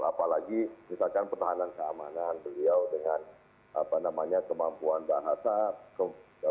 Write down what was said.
apalagi misalkan pertahanan keamanan beliau dengan kemampuan bahasa